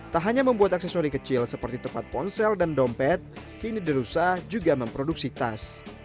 tak hanya membuat aksesori kecil seperti tempat ponsel dan dompet kini the rusa juga memproduksi tas